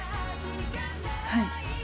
はい。